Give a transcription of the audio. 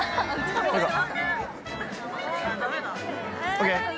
ＯＫ？